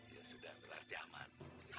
ya sudah berarti aman